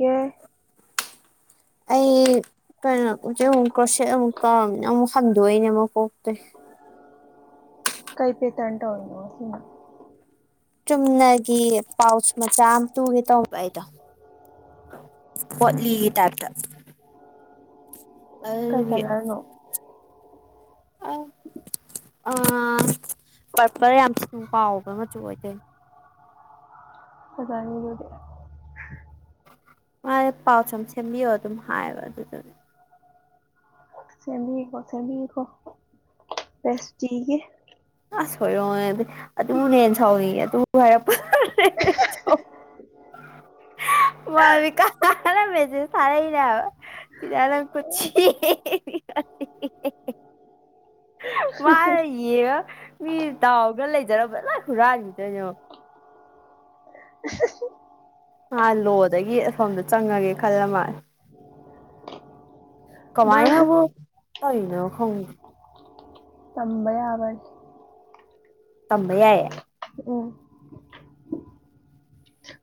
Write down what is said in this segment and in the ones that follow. ꯌꯥꯏ ꯑꯩ ꯀꯩꯅꯣ ꯎꯆ ꯑꯃꯨꯛ ꯀ ꯑꯃꯨꯛ ꯑꯃꯨꯛ ꯍꯟꯗꯣꯛꯏꯅꯦ ꯑꯃꯨꯛ ꯀꯣꯛꯇꯦ ꯀꯩ ꯄꯦ ꯇꯥꯟꯇ ꯑꯣꯏꯅ ꯆꯨꯝꯅꯒꯤ ꯄꯥꯎꯆ ꯃꯆꯥ ꯑꯃ ꯇꯨꯒꯦ ꯇꯧ ꯥꯏꯗꯣ ꯄꯣꯠꯂꯤꯒꯤ ꯇꯥꯏꯞꯇ ꯀꯜ ꯑꯗꯨꯒꯤ ꯀꯂꯔꯅꯣ ꯎꯝ ꯑ ꯄꯔꯄꯜ ꯌꯥꯝ ꯁ ꯀꯥꯎꯕ ꯃꯆꯨ ꯑꯣꯏꯗꯣꯏ ꯑꯥꯡꯗꯤ ꯃꯥ ꯄꯥꯎ ꯆꯨꯝ ꯁꯦꯝꯕꯤꯌꯣ ꯑꯗꯨꯝ ꯍꯥꯏꯌꯦꯕ ꯑꯗꯨꯗꯨꯅꯦ ꯁꯦꯃꯤꯀꯣ ꯁꯦꯃꯤꯀꯣ ꯁ ꯊꯒꯦ ꯑꯁꯣꯏꯔꯣ ꯑꯗꯨ ꯃꯨ ꯅꯅ ꯆꯥꯎꯅꯤ ꯇꯨ ꯍꯥꯏꯚꯔ [unintelligible] ꯃꯥ ꯀ ꯃꯦꯖꯦ ꯁꯔꯅꯦ [unintelligible] ꯃꯥꯅ ꯌꯦꯡꯉ ꯃꯤ ꯇꯥꯎꯒ ꯂꯩꯖꯔꯝꯕ ꯂꯥꯏ ꯍꯨꯔꯥꯈꯤꯗꯣꯏꯅꯣ [unintelligible] ꯑ ꯂꯣꯗꯒꯤ ꯁꯣꯝꯗ ꯆꯪꯉꯒꯦ ꯈꯜꯂ ꯃꯥꯜꯂꯦ ꯃꯥ ꯀꯃꯥꯏꯅꯕꯨꯅ ꯍꯣꯡ ꯇꯝꯕꯩ ꯌꯥꯕꯅꯤ ꯇꯝꯕꯩ ꯌꯥ ꯎꯝ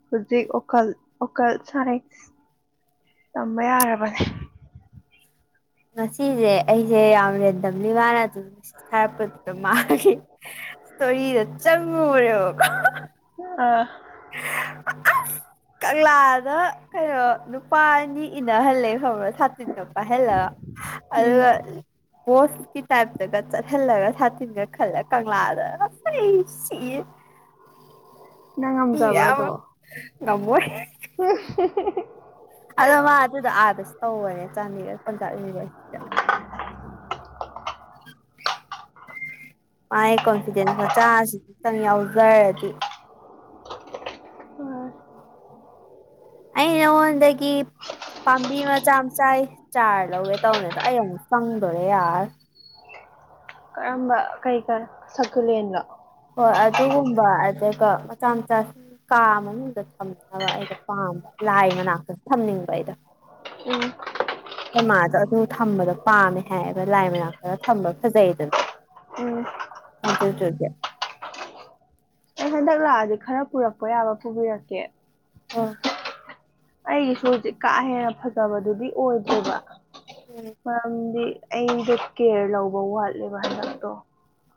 ꯍꯧꯖꯤꯛ ꯑꯣꯈꯜ ꯋꯥꯀꯜ ꯁꯥꯅꯩ ꯇꯝꯕ ꯌꯥꯔꯕꯅꯦ ꯉꯁꯤꯁꯦ ꯑꯩꯁꯦ ꯌꯥꯝ ꯔꯦꯟꯗꯝꯂꯤ ꯋꯥꯅ ꯑꯗꯨꯝ ꯉꯁꯤ ꯁꯥꯔꯛꯄꯗꯨꯗ ꯃꯥꯦ ꯁꯔꯤ ꯆ ꯆꯪꯔꯦ ꯑꯥ [unintelligible] ꯀꯪꯂꯥꯗ ꯀꯩꯅꯣ ꯅꯨꯄꯥ ꯑꯅꯤ ꯏꯅꯍꯜꯂꯦ ꯈꯕ꯭ꯔꯁꯦ ꯁꯥꯠꯠꯇꯄꯥ ꯍꯂ ꯑꯗꯨ ꯎꯝ ꯑꯣꯣꯁ ꯀꯤ ꯇꯥꯏ ꯇꯒꯜꯒ ꯁꯥ ꯇꯤꯟꯒ ꯈꯜꯂ ꯀ ꯃꯥꯗ ꯁꯤ ꯅꯪ ꯉꯝꯖꯕ꯭ꯔꯣ ꯌꯥ ꯑꯗꯣ ꯉꯃꯣꯏ [unintelligible] ꯑꯗꯣ ꯃꯥ ꯑꯗꯨꯗ ꯑꯥꯗꯁꯨ ꯇꯧꯕꯅꯦ ꯆꯥꯟꯗꯤꯒꯔ ꯄꯟꯆꯥ ꯌꯅꯤꯚꯔꯁꯤꯇꯗ [unintelligible] ꯃꯥ ꯀꯟꯁꯤꯗ ꯃ ꯆꯁꯤ ꯆꯪ ꯌꯥꯎꯖꯔꯗꯤ ꯑ ꯑꯩꯅ ꯑꯣꯟꯗꯗꯒꯤ ꯄꯥꯝꯕꯤ ꯃꯆꯥ ꯑꯃ ꯆꯥꯏ ꯆꯥꯔ ꯂꯧꯋꯦ ꯇꯧꯅꯦꯗ ꯑꯩ ꯑꯃꯨꯛ ꯆꯪꯗꯣꯔꯦ ꯌꯥꯔ ꯀꯔꯝꯕ ꯀꯩ ꯀꯥꯔ ꯆꯀꯨꯂꯦꯟꯂꯣ ꯍꯣꯏ ꯑꯗꯨꯒꯨꯝꯕ ꯑꯗꯨꯒ ꯃꯆꯥ ꯃꯆꯥꯁꯤꯡ ꯀꯥ ꯃꯅꯨꯡꯗ ꯊꯝꯅꯕ ꯑꯩꯩꯅ ꯄꯥꯝꯃꯦ ꯂꯥꯏ ꯃꯅꯥꯛꯇ ꯊꯝꯅꯤꯡꯕ ꯑꯩꯗꯣ ꯎꯝ ꯁꯃꯥꯗꯣ ꯑꯗꯨꯝ ꯊꯝꯕꯗꯣ ꯄꯥꯝꯃꯦ ꯍꯥꯏꯌꯦꯕ ꯂꯥꯏ ꯃꯅꯥ ꯈꯔ ꯊꯝꯕ ꯐꯖꯩꯗꯅ ꯎꯝ ꯑꯗꯨꯗ ꯑꯩ ꯍꯟꯗꯛ ꯂꯥꯛꯑꯗꯤ ꯈꯔ ꯄꯨꯔꯛꯄ ꯌꯥꯕ ꯄꯨꯕꯤꯔꯛꯀꯦ ꯑ ꯑꯩꯒꯤꯁꯨ ꯍꯧꯖꯤꯛ ꯀꯥ ꯍꯦꯟꯅ ꯐꯖꯕꯗꯨꯗꯤ ꯑꯣꯏꯗꯦꯕ ꯍꯣꯏ ꯃꯔꯝꯗꯤ ꯑꯩꯗ ꯀꯦꯌꯔ ꯂꯧꯕ ꯋꯥꯠꯂꯦꯕ ꯍꯟꯗꯛꯇꯣ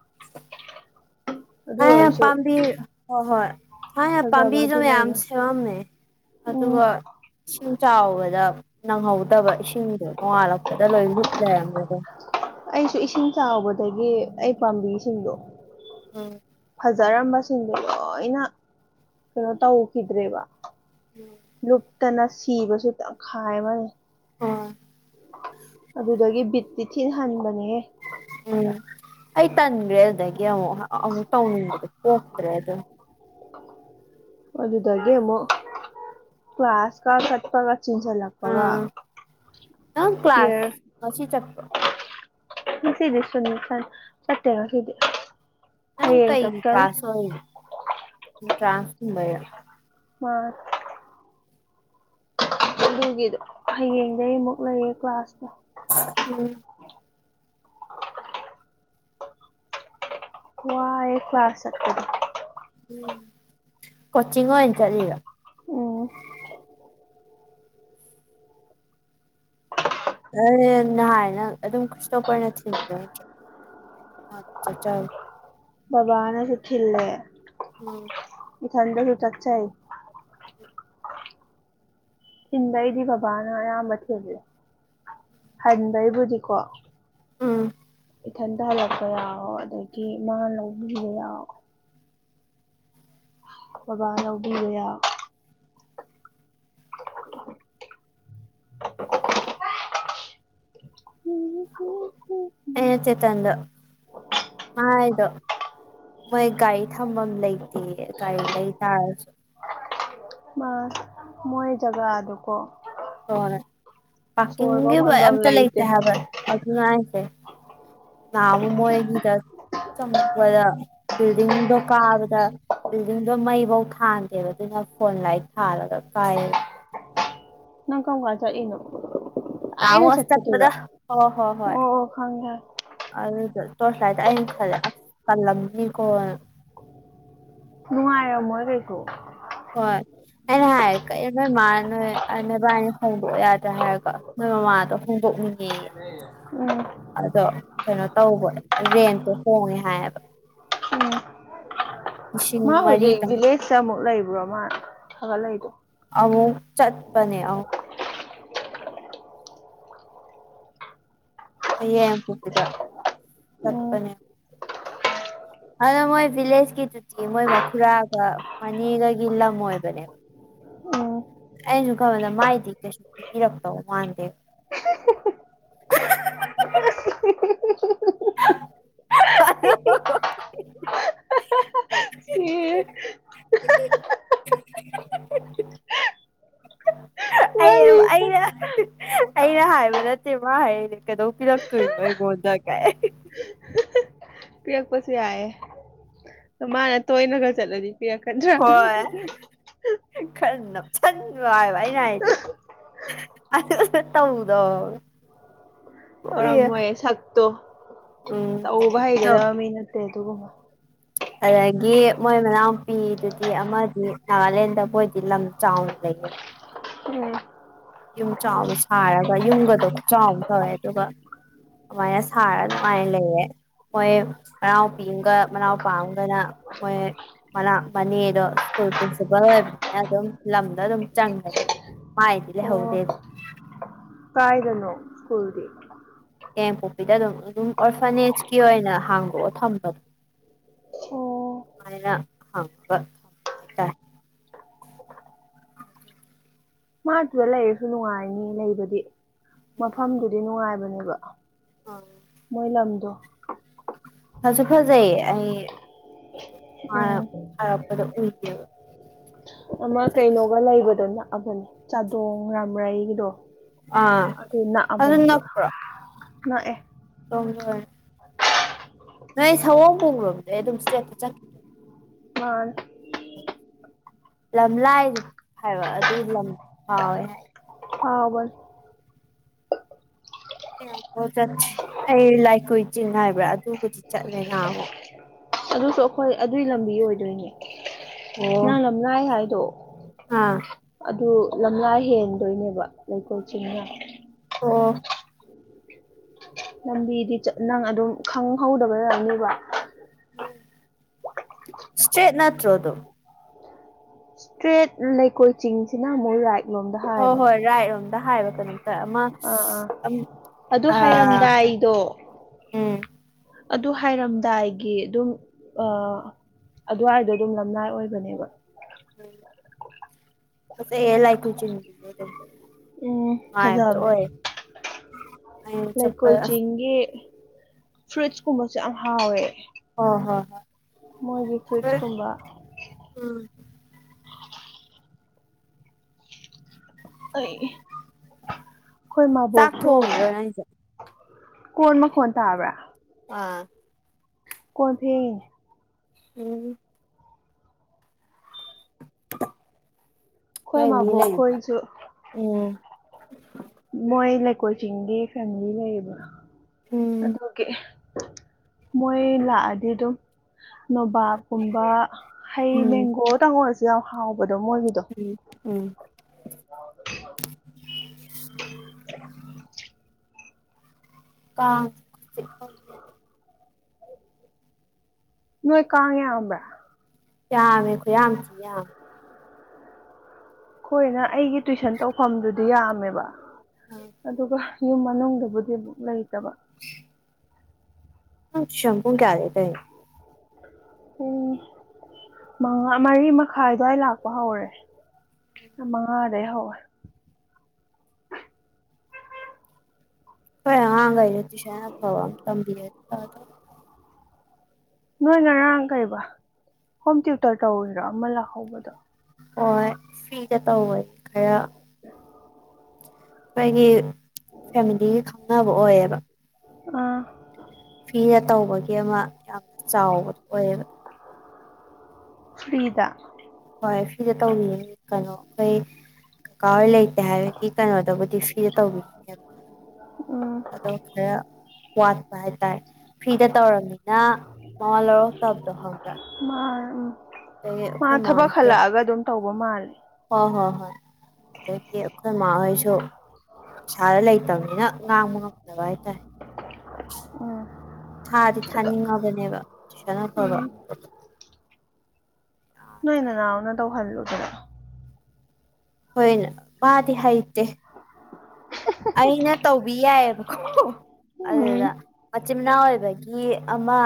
[unintelligible] ꯑꯗꯨ ꯑꯣꯏꯔꯁꯨ ꯄꯥꯝꯕꯤ ꯍꯣꯏ ꯍꯣꯏ ꯍ ꯐꯖꯕꯗꯤ ꯄꯥꯝꯕꯤꯗꯝ ꯌꯥꯝ ꯂꯩꯕꯅꯤ ꯁꯦꯋꯥꯝꯃꯦ ꯎꯝ ꯑꯗꯨꯒ ꯁꯤꯡꯁꯤꯡ ꯆꯥꯎꯕꯗ ꯅꯪꯍꯧꯗꯕ ꯏꯁꯤꯡꯗꯣ ꯅꯣꯡꯉꯥꯜꯂꯛꯄꯗ ꯂꯣꯏ ꯂꯨꯞ ꯂꯩꯔꯝꯃꯦꯗ ꯑꯩꯁꯨ ꯏꯁꯤꯡ ꯆꯥꯎꯕꯗꯒꯤ ꯑꯩ ꯄꯥꯝꯕꯤꯁꯤꯡꯗꯣ ꯎꯝ ꯐꯖꯔꯝꯕꯁꯤꯡꯗꯣ ꯂꯣꯏꯅ ꯀꯩꯅꯣ ꯇꯧꯈꯤꯗ꯭ꯔꯦꯕ ꯎꯝ ꯇꯅ ꯁꯤꯕꯁꯨ ꯇꯪꯈꯥꯏ ꯑꯃꯅꯤ ꯑꯣ ꯑꯗꯨꯗꯒꯤ ꯕꯤꯠ ꯇꯤꯊꯤꯤꯟ ꯍꯟꯕꯅꯦꯍ ꯎꯝ ꯑꯩ ꯇꯥꯟ꯭ꯔꯦ ꯑꯗꯨꯗꯒꯤꯦ ꯇꯧꯅꯤꯡꯗ ꯍꯇ꯭ꯔꯦ ꯑꯗꯨꯗ ꯑꯗꯨꯗꯨꯗꯒꯦꯃꯣ ꯀ꯭ꯂ ꯀ꯭ꯂꯥꯁ ꯀꯥꯜ ꯀꯠꯄꯒ ꯆꯤꯡꯁꯤꯜꯂꯛꯄꯒ ꯅꯪ ꯀꯦꯌꯔ ꯀ꯭ꯂꯥꯁ ꯉꯁꯤ ꯆꯠꯄ꯭ꯔꯣ ꯁꯤꯗ ꯁꯅꯤ ꯆꯠꯇꯦ ꯁꯤꯗ ꯑ ꯀꯩ ꯇ꯭ꯔꯥꯥꯁ ꯑꯣꯏ ꯇ꯭ꯔꯥꯁꯕꯔ ꯃꯥ ꯑꯗꯨꯒꯤꯗꯣ ꯍꯌꯦꯡꯗꯒꯤ ꯑꯃꯨꯛ ꯂꯩꯌꯦꯦ ꯀ꯭ꯂꯥꯁꯇ ꯎꯝ [unintelligible] ꯀꯋꯥ ꯑꯦ ꯈꯋꯥ ꯆ ꯎꯝ ꯀꯣꯆꯤꯡꯤꯡꯣ ꯏꯟ ꯆꯔꯔ ꯎꯝ ꯑ ꯅꯍꯥꯟꯅ ꯑꯗꯨꯝ ꯈꯨꯁꯇꯣꯞꯄꯅ ꯊꯤꯗ ꯑꯆꯥ ꯆ ꯕꯕꯥꯅ ꯆꯊꯂꯦ ꯎꯝ ꯊꯟꯗ ꯍ ꯇꯆꯥꯏ ꯊꯤꯟꯕꯩꯗꯤ ꯕꯕꯥꯅ ꯑꯌꯥꯝꯕ ꯊꯤꯜꯂꯤ ꯍꯟꯕꯩꯕꯨꯗꯤꯀꯣ ꯑꯥ ꯏꯊꯟꯗ ꯍꯜꯂꯛꯄ ꯌꯥꯑꯣꯣ ꯑꯗꯒꯤ ꯏ ꯃꯥ ꯂꯧꯕꯤꯕ ꯌꯥꯑꯣꯣ ꯕꯥꯅ ꯎꯕꯤꯔꯌꯥ [inaudible] [inaudible] ꯑꯩꯅ ꯆꯦꯇꯟꯗꯣ ꯃꯥꯏꯗꯣ ꯃꯣꯏ ꯒꯥꯔꯤ ꯊꯝꯐꯝ ꯂꯩꯇꯦ ꯒꯥꯔꯤ ꯂꯩꯇꯥꯥꯔꯁꯨ ꯃꯥ ꯃꯣꯏꯖꯒꯥ ꯑꯗꯨ ꯑꯗꯨꯀꯣ ꯍꯣꯏ ꯄꯥꯔꯀꯤꯡꯒꯤ ꯑꯝꯇ ꯂꯩꯇꯦ ꯍꯥꯏꯕ ꯑꯗꯨꯅꯉꯥꯏꯁꯦ ꯅꯎꯃ ꯍꯦꯒꯗ ꯆꯪꯕꯗ ꯕꯤꯜꯗꯤꯡꯗꯣ ꯀꯥꯕꯗ ꯕꯤꯜꯗꯤꯡꯗꯣ ꯃꯩꯐꯧ ꯊꯥꯟꯗꯦꯕ ꯑꯗꯨꯅ ꯐꯣꯟ ꯂꯥꯏ ꯊꯥꯜꯒ ꯀꯥꯏ ꯅꯪ ꯀ ꯀꯖ ꯏꯩꯅ ꯑꯩꯅ ꯅꯍꯥꯟꯃꯨꯛ ꯑꯁ ꯆꯠꯄꯗꯨꯔꯣ ꯆꯠꯄꯗ ꯑꯣ ꯑꯣ ꯈꯪꯦ ꯑꯗꯨ ꯇꯣꯁꯂꯥꯏꯇ ꯑꯩꯡ ꯈꯂꯦꯁ ꯀꯜꯂꯅꯤ ꯀꯣ ꯅꯉꯥꯏ ꯃꯣꯏ ꯀꯣ ꯍꯣꯏ ꯑꯦꯅ ꯍꯥꯏ ꯃꯥ ꯅꯣꯏ ꯅꯕꯥꯏꯅꯤ ꯍꯣꯡꯗꯣꯛꯑꯣ ꯌꯥꯗ꯭ꯔꯥ ꯍꯥꯏꯔꯀꯣ ꯅꯣꯏ ꯃꯃꯥꯗꯣ ꯍꯣꯡꯗꯣꯛꯅꯤꯡꯉꯦꯌꯦ ꯎꯝ ꯑꯗꯣ ꯀꯩꯅꯣ ꯇꯧꯕ ꯔꯦꯟꯇꯣ ꯍꯣꯡꯉꯦ ꯍꯥꯏꯌꯦꯕ ꯎꯝ ꯂꯤꯁꯤꯡ ꯃꯥ ꯍꯧꯖꯤꯛ ꯃꯔꯤꯇꯪ ꯚꯤꯂꯦꯖꯇ ꯑꯃꯨꯛ ꯂꯩꯕ꯭ꯔꯣ ꯃꯥ ꯐꯒꯠꯂꯏꯗꯣ ꯑ ꯆꯠꯄꯅꯦ ꯑ ꯃꯦ ꯄꯁꯤꯗ ꯎꯝ ꯆꯠꯄꯅꯦ ꯑꯗꯣ ꯃꯣꯏ ꯚꯤꯂꯦꯖꯀꯤꯗꯨꯇꯤ ꯃꯣꯏ ꯃꯈꯨꯔꯥꯒ ꯃꯅꯤꯒꯒꯤ ꯂꯝ ꯑꯣꯏꯕꯅꯦꯕ ꯎꯝ ꯑꯁꯨ ꯈꯕꯗ ꯃꯥꯏꯗꯤ ꯀꯩꯁꯨ ꯄꯤꯕꯤꯔꯛꯛꯇꯧ ꯃꯥꯟꯗꯦꯕ [unintelligible] ꯑ ꯁꯤ [unintelligible] [unintelligible] ꯋꯥꯔꯤ ꯑꯩꯅ ꯑꯩꯅ ꯍꯥꯏꯕ ꯅꯠꯇꯦ ꯃꯥ ꯍꯥꯏꯅꯦ ꯀꯩꯗꯧ ꯄꯤꯔꯛꯇꯣꯏꯅꯣ ꯑꯩꯕꯣ ꯍꯣꯗꯒ [unintelligible] ꯄꯤ ꯄ ꯍꯥꯏꯌꯦ ꯃꯥꯅꯦ ꯇ ꯏ ꯅ ꯈꯔ ꯆꯂꯗꯤ ꯌꯥ ꯀ꯭ꯔꯥ ꯈ ꯆ ꯍꯥꯏꯏꯅꯦ ꯍꯥꯏꯗꯤ ꯑ ꯇꯧꯗꯣ ꯇꯧꯔꯝꯃꯣꯏ ꯁꯛꯇꯣ ꯎꯝ ꯇꯧꯕ ꯑꯗꯣ ꯍꯩꯒꯗꯕ ꯃꯤ ꯅꯠꯇꯦ ꯑꯗꯨꯒꯨꯝꯕ ꯑꯗꯒꯤ ꯃꯣꯏ ꯃꯅꯥꯎꯎꯨꯄꯤꯗꯨꯗꯤ ꯑꯃꯗꯤ ꯅꯥꯒꯥꯂꯦꯟꯗ ꯃꯣꯏꯗꯤ ꯂꯝ ꯆꯥꯎꯅ ꯂꯩ ꯎ ꯎꯝ ꯌꯨꯝ ꯆꯥꯎꯕ ꯁꯥꯔꯒ ꯌꯨꯝꯒꯗꯣ ꯆꯥꯎꯅ ꯇꯧꯋꯦ ꯑꯗꯨꯒ ꯑꯗꯨꯥꯏꯅ ꯁꯔ ꯅꯨꯡꯉꯥꯏ ꯂꯩꯌꯦ ꯃꯣꯏ ꯃꯅꯥꯎ ꯄꯒ ꯃꯅꯥꯎ ꯄꯥꯝꯒꯅ ꯃꯣꯏ ꯃꯅꯥ ꯃꯅꯤꯗꯣ ꯁ꯭ꯀꯨꯜ ꯄ꯭ꯔꯤꯟꯁꯤꯄꯥꯜ ꯑꯣꯏꯕꯅꯤꯅ ꯑꯗꯨꯝ ꯂꯝꯗ ꯑꯗꯨꯝ ꯆꯪꯒꯅꯤ ꯃꯥꯂꯦ ꯍꯗꯦ ꯑꯣ ꯑꯗꯨ ꯀꯥꯏꯗꯅꯣ ꯁꯀꯨꯜꯗꯤ ꯍꯡꯄꯣꯛꯄꯤꯗ ꯑꯗꯨꯝ ꯑꯗꯨꯝ ꯑꯣꯔꯐꯅꯦꯁꯀꯤ ꯑꯣꯏꯅ ꯍꯥꯡꯗꯣꯛꯑꯣ ꯊꯝꯕꯗꯣ ꯑꯣ ꯥꯏꯅ ꯃꯥꯗꯨꯗ ꯂꯩꯔꯁꯨ ꯅꯨꯡꯉꯥꯏꯅꯤ ꯂꯩꯕꯗꯤ ꯃꯐꯝꯗꯨꯗꯤ ꯅꯨꯡꯉꯥꯏꯕꯅꯦꯕ ꯃꯣꯏꯂꯝꯝꯗ ꯐꯁꯨ ꯐꯖꯩ ꯑꯩ ꯎꯝ ꯍꯥꯏꯔꯛꯄꯗ ꯎꯏꯗꯦꯕ ꯑꯃ ꯀꯩꯅꯣꯒ ꯂꯩꯕꯗꯣ ꯅꯛꯑꯕꯅꯦ ꯆꯥꯗꯣꯡ ꯔꯥꯝꯔꯩꯒꯤꯗꯣ ꯑꯥ ꯑꯗꯨ ꯑꯗꯨꯟꯅ꯭ꯔꯣ ꯅꯛꯑꯕꯅꯦꯕ ꯇ ꯅꯛꯑꯦ ꯅꯣꯏ ꯁꯒꯣꯝ ꯄꯨꯣꯡꯈꯨꯕꯗ ꯑꯩ ꯑꯗꯨꯝ ꯏꯁꯇ꯭ꯔꯦꯇ ꯆꯠꯈꯤꯗꯣꯏ ꯃꯥ ꯂꯝꯂꯥꯏꯗꯨ ꯍꯥꯏꯕ ꯑꯗꯨ ꯂꯝ ꯐꯥꯎꯋꯦ ꯍꯥꯏ ꯍꯥꯎꯕꯁ ꯆꯠꯔꯤ ꯑꯩ ꯂꯥꯏꯀꯨ ꯆꯤꯟꯅꯥꯏꯕ꯭ꯔꯥ ꯑꯗꯨꯕꯨꯗꯤ ꯆꯠꯂꯦ ꯅꯍ ꯑꯃꯨ ꯑꯗꯨꯁꯨ ꯑꯩꯈꯣꯏ ꯑꯗꯨꯒꯤ ꯂꯝꯕꯤ ꯑꯣꯏꯗꯣꯏꯅꯦ ꯑꯣ ꯅꯪ ꯂꯝ ꯂꯥꯏ ꯍꯥꯏꯗꯣ ꯑꯥ ꯑꯗꯨ ꯂꯝꯂꯥ ꯍꯦꯟꯗꯣꯏꯅꯦꯕ ꯂꯩꯀꯣꯜ ꯆꯤꯡꯅ ꯑꯣ ꯂꯝꯕꯤꯗꯤ ꯅꯪ ꯑꯗꯨꯝ ꯈꯪꯍꯧꯗꯕ ꯌꯥꯔꯅꯤꯕ ꯁꯇꯦꯠ ꯅꯠꯇ꯭ꯔꯣ ꯑꯗꯨ ꯏꯁꯇ꯭ꯔꯦꯠ ꯂꯩꯀꯣꯏ ꯆꯤꯡꯁꯤꯅ ꯑꯃꯨꯛ ꯔꯥꯏꯠ ꯂꯣꯝꯗ ꯍꯣꯏ ꯍꯥꯏꯕꯅꯦ ꯍꯣꯏ ꯔꯥꯛꯔꯣꯝꯗ ꯍꯥꯏꯕ ꯀꯣ ꯑꯥ ꯑꯥ ꯑꯗꯨ ꯑ ꯍꯥꯏꯔꯝꯗꯥꯏꯗꯣ ꯑꯗꯨ ꯍꯥꯏꯔꯝꯗꯥꯏꯒꯤ ꯑꯗꯨꯝ ꯑ ꯑꯗꯨꯋꯥꯏꯗꯣ ꯑꯗꯨꯝ ꯂꯝꯂꯏ ꯑꯣꯏꯕꯅꯦꯕ ꯎꯝ ꯐꯁ ꯍꯥꯏ ꯀ ꯎꯆ ꯎꯝ ꯐꯖꯕꯅꯦ ꯑꯩꯅ ꯆꯠꯄ ꯂꯩꯀꯣꯏ ꯑꯁ ꯆꯤꯡꯒꯤ ꯐ꯭ꯔꯨꯏꯠꯁꯀꯨꯝꯕꯁꯨꯦ ꯌꯥꯝ ꯍꯥꯎꯋꯦ ꯑꯣ ꯍꯣ ꯍ ꯃꯣꯏꯒꯤ ꯐ꯭ꯔꯤꯖꯀꯨꯝꯕ ꯎꯝ ꯑꯩ ꯑꯩꯈꯣꯏ ꯆꯥꯛ ꯃꯕꯣꯛꯁꯨ ꯊꯣꯡꯉꯤꯔꯣ ꯅꯪꯁꯦ ꯀꯣꯟꯃ ꯈꯣꯟ ꯇꯥꯕ꯭ꯔꯥ ꯑꯥ ꯀꯣꯊꯤ ꯎꯝ ꯑꯩꯈꯣꯏ ꯀꯂ ꯃꯥꯕꯣꯛ ꯈꯣꯏꯁꯨ ꯎꯝ ꯃꯣꯏ ꯂꯩꯀꯣꯏ ꯆꯤꯡ ꯐꯦꯃꯤꯂꯤ ꯂꯩꯌꯦꯕ ꯎꯝ ꯑꯗꯨꯒꯤ ꯃꯣꯏ ꯂꯥꯛꯑꯗꯤ ꯑꯗꯨꯝ ꯅꯣꯕꯥꯞꯀꯨꯝꯕ ꯍꯩ ꯎꯝ ꯃꯦꯡꯒꯣ ꯇꯪꯉꯔꯁꯨ ꯌꯥꯝ ꯍꯥꯎꯕꯗꯣ ꯃꯣꯏꯒꯤꯗꯣ ꯎꯝ ꯎꯝ ꯑ ꯑꯥ ꯅꯣꯏꯣꯏ ꯀꯥꯉꯦ ꯌꯥꯕ ꯀ ꯑꯃꯦꯈꯣꯏ ꯌꯥꯝꯝ ꯊ ꯌꯥꯝ ꯑꯩꯣꯏꯅ ꯑꯩꯒꯤ ꯇꯨꯋꯏꯁꯟ ꯇꯧꯐꯝꯗꯨꯗꯤ ꯌꯥꯝꯃꯦꯕ ꯑꯗꯨꯒ ꯌꯨꯝ ꯃꯅꯨꯡꯗꯕꯨꯗꯤ ꯑꯃꯛ ꯂꯩꯇꯕ ꯎ ꯝꯄꯨ ꯀꯌꯥꯗꯦ ꯇ ꯎꯝ ꯃꯉꯥ ꯃꯔꯤ ꯃꯈꯥꯏ ꯑꯗꯨ꯭ꯋꯥꯏ ꯂꯥꯛꯄ ꯍꯧꯔꯦ ꯑ ꯃꯥꯗꯦ ꯍꯣ ꯀ ꯍ ꯉꯥꯏꯔꯗꯤꯁꯦꯅ ꯐ ꯊ ꯅꯣꯏ ꯉꯔꯥꯡ ꯀꯩꯔꯤꯕ ꯍꯣꯝ ꯇ꯭ꯌꯨꯇꯔ ꯇꯧꯔꯤꯔꯣ ꯑꯃ ꯂꯥꯛꯍꯧꯕꯗꯣ ꯍꯣꯏ ꯁꯤꯤꯗ ꯇ ꯍꯣꯏ ꯈꯔ [unintelligible] ꯑꯩꯈꯣꯏꯒꯤ ꯐꯦꯃꯤꯂꯤꯒꯤ ꯈꯪꯅꯕ ꯑꯣꯏꯌꯦꯕ ꯑ ꯐꯤꯅ ꯇꯧꯕꯒꯤ ꯑꯃ ꯌꯥꯝꯅ ꯆꯥꯎꯕꯗꯣ ꯑꯣꯏꯌꯦꯕ ꯐꯔꯤꯗ ꯍꯣꯏ ꯁꯤꯗ ꯇꯧꯕꯤꯌꯦ ꯀꯩꯅꯣ ꯑꯩꯈꯣꯏ ꯀꯀꯥ ꯍ ꯂꯩ ꯍꯥꯏꯕꯒꯤ ꯀꯩꯅꯣꯗꯕꯨꯗꯤ ꯐ꯭ꯔꯤꯗ ꯇꯧꯕꯤꯅꯦꯕ ꯎꯝ ꯑꯗꯣ ꯈꯔ ꯋꯥꯠꯄ ꯍꯥꯏꯇꯥꯔꯦ ꯐ꯭ꯔꯤꯗ ꯇꯧꯔꯃꯤꯅ ꯃꯃꯥ ꯂꯧꯔꯛꯇꯕꯗꯣ ꯍꯪꯕ꯭ꯔꯥ ꯃꯥ ꯎꯝ ꯈꯣꯏ ꯍ ꯃꯥ ꯊꯕꯛ ꯍꯜꯂꯛꯑꯒ ꯑꯗꯨꯝ ꯇꯧꯕ ꯃꯥꯜꯂꯦ ꯍꯣ ꯍꯣꯏ ꯑꯈꯣꯏ ꯃꯥ ꯑꯣꯏꯁꯨ ꯏꯁꯥꯗ ꯂꯩꯇꯕꯅꯤꯅ ꯉꯥꯡꯕ ꯉꯝꯗꯕ ꯍꯥꯏꯇꯥꯔꯦ ꯎꯝ ꯊꯥꯗꯤ ꯑꯗꯣ ꯊꯥꯅꯤꯡꯉꯕꯅꯦꯕꯁꯥꯅꯐꯕ ꯎꯝ ꯅꯣꯏ ꯅ ꯅꯅꯥꯎꯅ ꯇꯧꯍꯜꯂꯨꯒꯔ ꯍꯣꯏꯅ ꯃꯥꯗꯤ ꯍꯩꯇꯦ ꯑꯩꯅ ꯇꯧꯕꯤ ꯌꯥꯏꯑꯕ ꯎꯝ ꯑꯗꯨꯗ ꯃꯆꯤꯟꯅꯥꯎ ꯑꯣꯏꯕꯒꯤ ꯑꯃ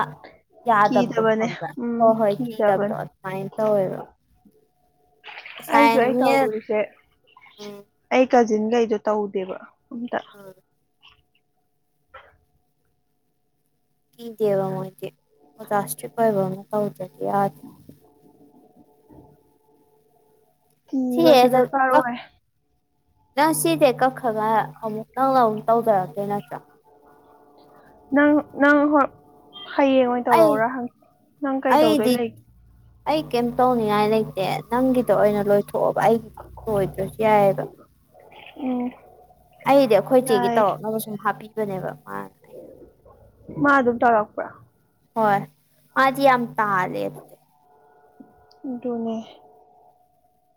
ꯌꯥꯌꯥ ꯗꯕꯗꯣ ꯍ ꯀꯤꯗꯕꯅꯦ ꯍꯣ ꯎꯝ ꯍꯣꯏ ꯀ ꯀꯤꯗꯕꯅꯦ ꯗꯕꯗꯣ ꯇꯧꯕ ꯑꯩꯁꯨ ꯑꯩ ꯇꯧꯔꯤꯁꯦ ꯎꯝ ꯑꯩ ꯀꯖꯤꯟꯒꯩꯗꯣ ꯇꯧꯗꯦꯕ ꯑꯝꯇ ꯎꯝ ꯏꯗꯤꯕꯗꯤ ꯔꯁ ꯄꯕ ꯑꯃ ꯀꯧꯗꯗꯤ ꯊ ꯁꯗ ꯁꯤꯁꯦ ꯀꯔ ꯑꯣꯏꯔ ꯅꯪ ꯁꯤꯗꯤ ꯀꯛꯈꯒ ꯑꯃꯨꯛ ꯅꯪꯅ ꯑꯃꯨꯛ ꯇꯧꯖꯔꯀꯦ ꯅꯠꯇ꯭ꯔꯥ ꯅꯪ ꯅꯪ ꯍ ꯍꯌꯦꯡ ꯑꯣꯏꯅ ꯑꯩ ꯇꯧꯔꯛꯑꯣꯔꯪ ꯅꯪ ꯀꯩꯗꯧꯗꯣꯏ ꯑꯩꯗꯤ ꯂꯩꯒꯦ ꯑꯩ ꯀꯦꯟꯟ ꯇꯧꯅꯤꯥꯏ ꯂꯩ ꯑꯦ ꯅꯪꯒꯤꯗ ꯑꯣꯏꯅ ꯂꯣꯏꯊꯣꯛꯑꯕ ꯑꯩꯒꯤ ꯂꯣꯏꯗ꯭ꯔꯁꯨ ꯌꯥꯏꯑꯕ ꯎꯝ ꯑꯩꯗꯤ ꯑꯩꯈꯣꯏ ꯆꯦꯒꯤ ꯌꯥꯏ ꯇꯧꯔꯛꯅꯕ ꯁꯨꯝ ꯍꯥꯞꯄꯤꯕꯅꯦꯕ ꯃꯥꯅ ꯑꯩꯅ ꯃꯥ ꯑꯗꯨꯝ ꯇꯧꯔꯛꯄ ꯍꯣꯏ ꯑꯗꯤ ꯌꯥꯝ ꯇꯥꯔꯦ ꯑꯗꯨꯅꯦ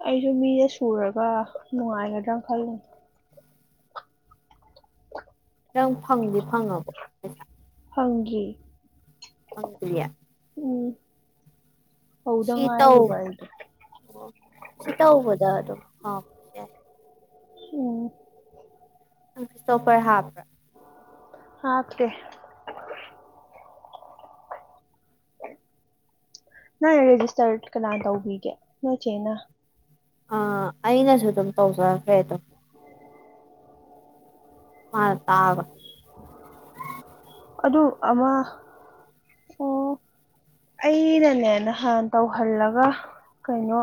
ꯑꯩꯁꯨ ꯃꯤꯁꯦ ꯁꯨꯔꯒ ꯅꯨꯡꯉꯥꯏꯒꯗ꯭ꯔꯅ ꯈꯜꯂꯨ ꯅꯪ ꯐꯪꯗꯤ ꯐꯪꯉꯕ ꯐꯪꯉꯦ ꯍꯌꯥ ꯍꯧꯗ ꯁꯤꯇꯧ ꯉꯥꯏꯔꯤꯕ ꯑꯩꯗꯣ ꯁꯤꯇꯧꯕꯗ ꯑꯣ ꯎꯝ ꯁꯣꯄꯔ ꯍꯥ꯭ꯔ ꯑꯀꯦ ꯅꯪ ꯔꯦꯖꯤꯁꯇꯔꯠ ꯀꯅꯥ ꯇꯧꯕꯤꯒꯦ ꯅꯣꯏꯆꯦꯅ ꯑꯥ ꯑꯩꯅꯁꯨ ꯑꯗꯨꯝ ꯇꯧꯖꯔꯈ꯭ꯔꯦ ꯑꯗꯣ ꯃꯥ ꯇꯕ ꯑꯃꯃ ꯑꯣ ꯑꯩꯅꯅꯦ ꯅꯍꯥꯟ ꯇꯧꯍꯜꯂꯒ ꯀꯩꯅꯣ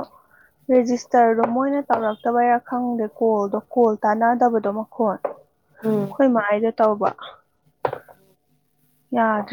ꯔꯦꯖꯤꯁꯇꯔꯗꯣ ꯃꯣꯏꯅ ꯇꯧꯔꯛꯇꯕꯩꯔꯥ ꯈꯪꯗꯦ ꯀꯣꯜꯗꯣ ꯀꯣꯜ ꯇꯥꯟꯅꯗꯕꯗꯣ ꯃꯈꯣꯟ ꯎꯝ ꯑꯩꯈꯣꯏ ꯃꯥꯥꯏꯗ ꯇꯧꯕ ꯌꯥꯗ꯭ꯔꯦ